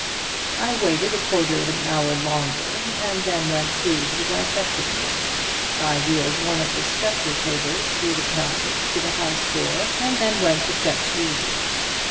I waited a quarter of an hour longer and then went through to the dissecting room. I wheeled one of the stretcher tables through the passage to the house door, and then went to fetch Levy.